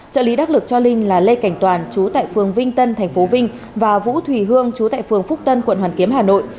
trợ lý đắc lực cho linh là lê cảnh toàn trú tại phường vinh tân thành phố vinh và vũ thùy hương trú tại phường phúc tân quận hoàn kiếm hà nội